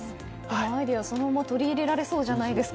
アイデア、そのまま取り入れられそうじゃないですか。